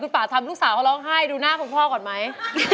ป่าทำลูกสาวเขาร้องไห้ดูหน้าคุณพ่อก่อนไหม